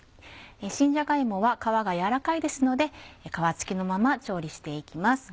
新じゃが芋は皮が柔らかいですので皮つきのまま調理していきます。